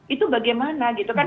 itu bagaimana gitu kan